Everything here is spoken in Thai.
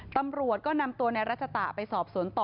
ตำรวจก็นำตัวในรัชตะไปสอบสวนต่อ